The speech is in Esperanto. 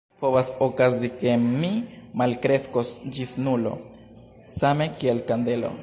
Povas okazi ke mi malkreskos ĝis nulo, same kiel kandelo.